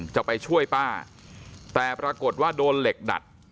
จะไปช่วยป้าแต่ปรากฏว่าโดนเหล็กดัด